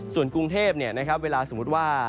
ส่วนกรุงเทพเวลาสมมุติว่า